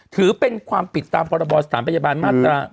ถือเป็นความผิดตามพรบสถานพยาบาลมาตรา